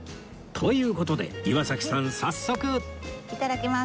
という事で岩崎さん早速いただきます！